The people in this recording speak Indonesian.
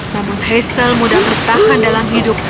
namun hazel mudah bertahan dalam hidup